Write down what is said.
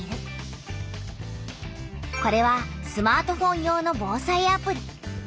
これはスマートフォン用の「防災アプリ」。